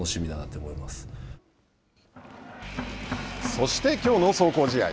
そして、きょうの壮行試合。